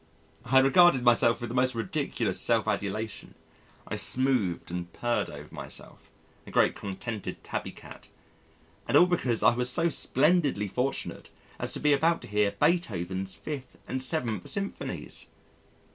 I regarded myself with the most ridiculous self adulation I smoothed and purred over myself a great contented Tabby cat and all because I was so splendidly fortunate as to be about to hear Beethoven's Fifth and Seventh Symphonies.